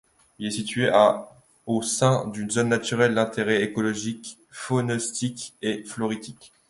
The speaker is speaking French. Il est situé à au sein d'une zone naturelle d'intérêt écologique, faunistique et floristique.